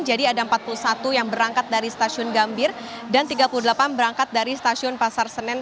jadi ada empat puluh satu yang berangkat dari stasiun gambir dan tiga puluh delapan berangkat dari stasiun pasar senen